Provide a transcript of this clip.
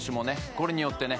これによってね